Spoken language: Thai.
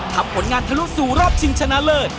ผลงานทะลุสู่รอบชิงชนะเลิศ